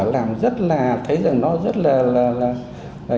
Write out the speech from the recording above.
làm rất là thấy rằng nó rất là